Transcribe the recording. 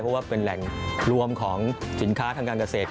เพราะว่าเป็นแหล่งรวมของสินค้าทางการเกษตร